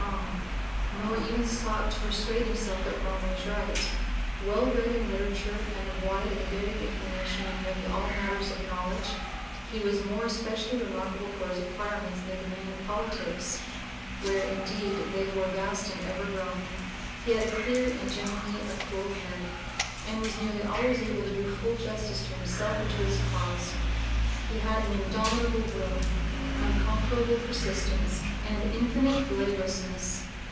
011) wrong, nor even sought to persuade himself that wrong was right; well read in literature and of wide and varied information in nearly all matters of knowledge, he was more especially remarkable for his acquirements in the domain of politics, where indeed they were vast and ever growing; he had a clear and generally a cool head, and was nearly always able to do full justice to himself and to his cause; he had an indomitable will, unconquerable persistence, and infinite laboriousness.